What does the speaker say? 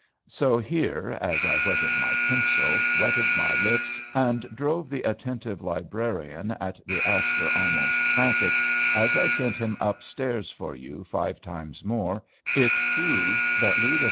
So here, as I whetted my pencil, wetted my lips, and drove the attentive librarian at the Astor almost frantic as I sent him up stairs for you five times more, it proved that Louis XIII.